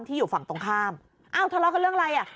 ที่อยู่ฝั่งตรงข้ามทะเลาะกับเรื่องอะไร